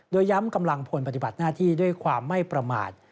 โดยย้ำกำลังพลปฏิบัติหน้าที่ด้วยความไม่ประมาท